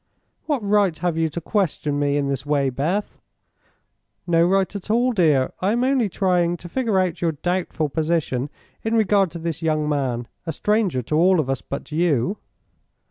"What right have you to question me in this way, Beth?" "No right at all, dear. I am only trying to figure out our doubtful position in regard to this young man a stranger to all of us but you."